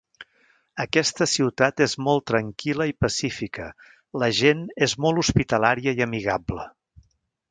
Aquesta ciutat és molt tranquil·la i pacífica, la gent és molt hospitalària i amigable.